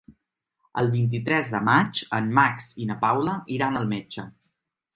El vint-i-tres de maig en Max i na Paula iran al metge.